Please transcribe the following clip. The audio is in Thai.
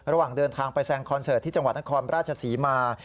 ระหว่างเดินทางไปแซงคอนเสิร์ตที่จังหวัดนครราชศรีมา